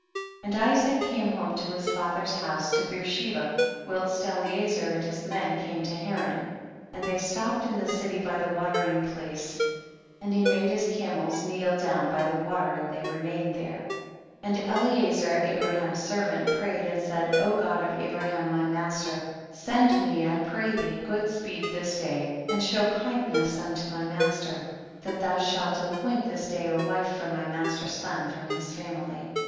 35. And Isaac came home to his father's house to Beersheba, whilst Eliezer and his men came to Haran ; and they stopped in the city by the watering jjlace, and he made his camels to kneel down by the water and they remained there. 36. And Eliezer, Abraham's ser vant, prayed and said, God of Abraham my master ; send me I pray thee good speed this day and show kindness unto my master, that thou shall appoint this day a wife for my master's son fi'om his family.